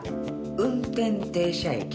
運転停車駅。